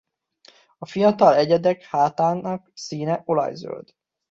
A fiatal egyedek hátának színe olajzöld.